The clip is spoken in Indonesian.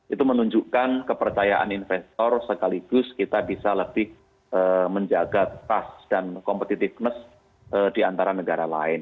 itu menunjukkan kepercayaan investor sekaligus kita bisa lebih menjaga trust dan competitiveness di antara negara lain